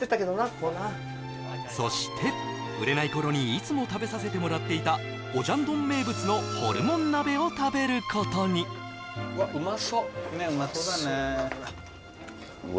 ここなそして売れない頃にいつも食べさせてもらっていたオジャンドン名物のホルモン鍋を食べることにうわっうまそうねっうまそうだね